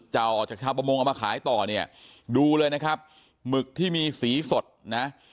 จะเอาออกจากชาวประมงเอามาขายต่อเนี่ยดูเลยนะครับหมึกที่มีสีสดนะ